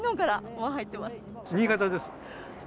新潟です。